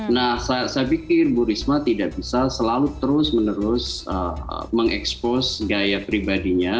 nah saya pikir bu risma tidak bisa selalu terus menerus mengekspos gaya pribadinya